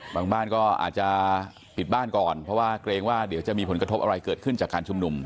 บางบ้านก็อาจจะปิดบ้านก่อนเพราะว่าเกรงว่าเดี๋ยวจะมีผลกระทบอะไรเกิดขึ้นจากการชุมนุม